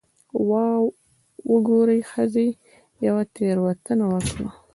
'واه وګورئ، ښځې یوه تېروتنه وکړه'.